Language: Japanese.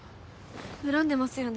恨んでますよね？